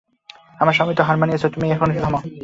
আমার স্বামী তো হার মানিয়াছেন, এখন তুমি একটু থামো।